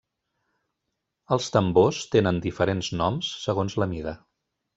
Els tambors tenen diferents noms segons la mida.